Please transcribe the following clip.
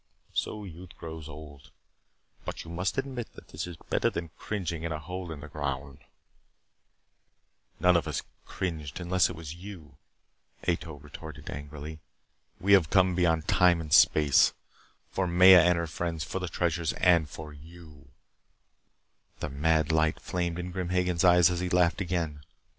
So youth grows old. But you must admit that this is better than cringing in a hole in the ground " "None of us cringed, unless it was you," Ato retorted angrily. "We have come beyond time and space for Maya and her friends for the treasures and for you " The mad light flamed in Grim Hagen's eyes as he laughed again.